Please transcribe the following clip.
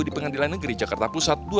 di pengadilan negeri jakarta pusat